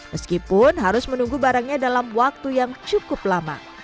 meskipun harus menunggu barangnya dalam waktu yang cukup lama